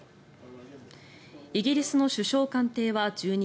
イギリスの首相官邸は１２日